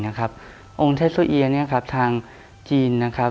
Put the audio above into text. องค์ไทยสุยียะทางจีน